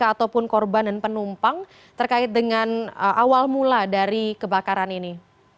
apakah sudah ada keterangan terkait penumpang terkait dengan awal mula dari kebakaran ini